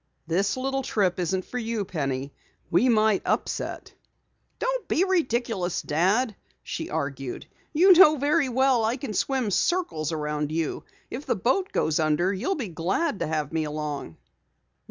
"This little trip isn't for you, Penny. We might upset." "Don't be ridiculous, Dad," she argued. "You know very well I can swim circles around you. If the boat does go under, you'll be glad to have me along."